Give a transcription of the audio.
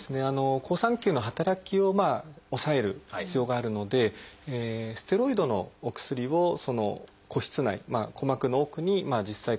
好酸球の働きを抑える必要があるのでステロイドのお薬をその鼓室内鼓膜の奥に実際注射をして。